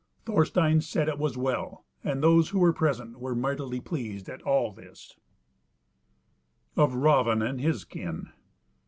Thorstein said that it was well; and those who were present were mightily pleased at all this. CHAPTER V. Of Raven and his Kin.